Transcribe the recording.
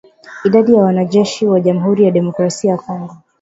Idadi ya wanajeshi wa jamuhuri ya kidemokrasia ya Kongo